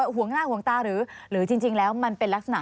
ห่วงหน้าห่วงตาหรือจริงแล้วมันเป็นลักษณะ